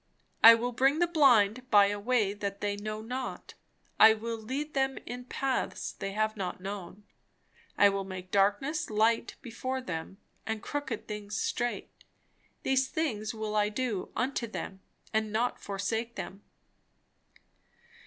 "I will bring the blind by a way that they know not; I will lead them in paths they have not known; I will make darkness light before them, and crooked things straight. These things will I do unto them, and not forsake them."